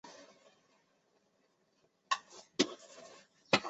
永乐十七年扩建北京南城墙时修建。